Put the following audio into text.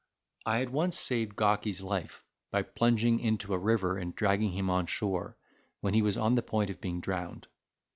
I had once saved Gawky's life, by plunging into a river and dragging him on shore, when he was on the point of being drowned.